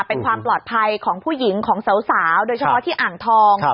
เป็นความปลอดภัยของผู้หญิงของสาวโดยเฉพาะที่อ่างทอง